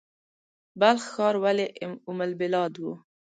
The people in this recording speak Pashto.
بلخ ښار ولې ام البلاد و؟